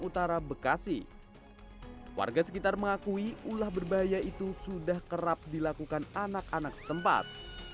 utara bekasi warga sekitar mengakui ulah berbahaya itu sudah kerap dilakukan anak anak setempat